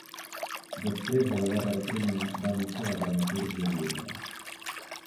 Després de la Guerra de Crimea, va néixer la dramatúrgia búlgara.